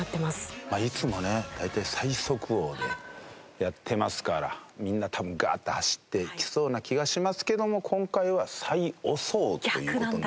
いつもはね大体最速王でやってますからみんな多分ガーッて走ってきそうな気がしますけども今回は最遅王という事になりますので。